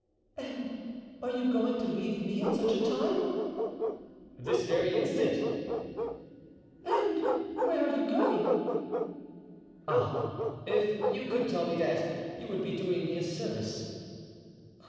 "And are you going to leave me at such a time?" "This very instant." "And where are you going?" "Ah, if you could tell me that, you would be doing me a service."